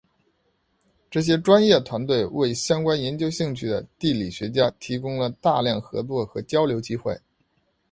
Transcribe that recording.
这些专业团体为相关研究兴趣的地理学家提供了大量合作和交流机会。